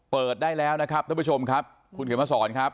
เปิดได้แล้วนะครับท่านผู้ชมครับคุณเขียนมาสอนครับ